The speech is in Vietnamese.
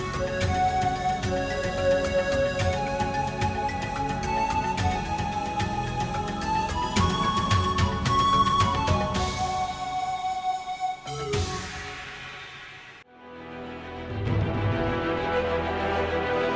chơi xe miếng